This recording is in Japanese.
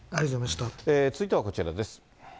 続いてはこちらです。